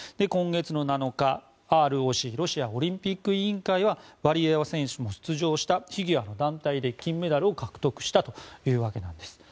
今月の７日、ＲＯＣ・ロシアオリンピック委員会はワリエワ選手が出場したフィギュアの団体で金メダルを獲得したというわけです。